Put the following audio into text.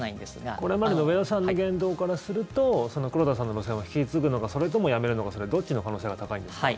これまでの植田さんの言動からすると黒田さんの路線を引き継ぐのかそれともやめるのかどっちの可能性が高いんですか？